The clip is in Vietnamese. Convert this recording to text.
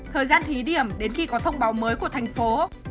thời gian thí điểm đến khi có thông báo mới của thành phố